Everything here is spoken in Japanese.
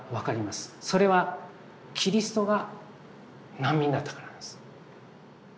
それはキリストが難民だったからなんです。